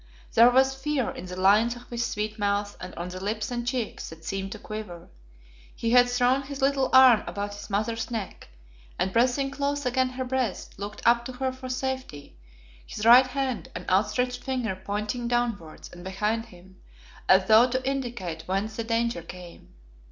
There was fear in the lines of his sweet mouth and on the lips and cheeks, that seemed to quiver. He had thrown his little arm about his mother's neck, and, pressing close against her breast, looked up to her for safety, his right hand and outstretched finger pointing downwards and behind him, as though to indicate whence the danger came.